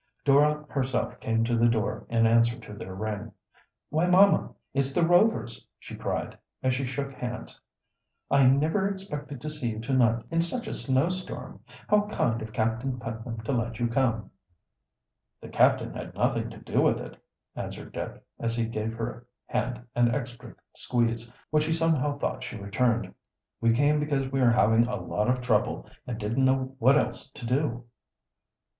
Dora herself came to the door in answer to their ring. "Why, mamma, it's the Rovers!" she cried, as she shook hands, "I never expected to see you to night, in such a snowstorm. How kind of Captain Putnam to let you come." "The captain had nothing to do with it," answered Dick, as he gave her hand an extra squeeze, which he somehow thought she returned. "We came because we were having a lot of trouble, and didn't know what else to do."